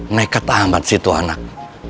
neket amat sih itu anak